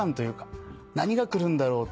何が来るんだろう